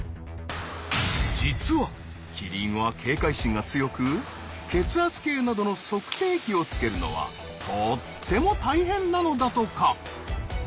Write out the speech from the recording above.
実はキリンは警戒心が強く血圧計などの測定器をつけるのはとっても大変なのだとか。